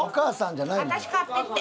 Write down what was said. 私買っていって。